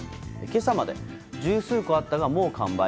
今朝まで、十数個あったがもう完売。